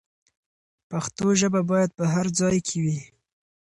پښتو ژبه باید په هر ځای کې وي.